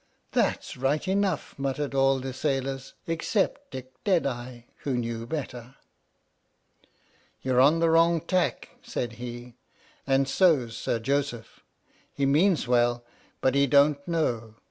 " "That's right enough! " muttered all the sailors, except Dick Deadeye, who knew better. "You're on the wrong tack," said he, "and so's Sir Joseph. He means well, but he don't know.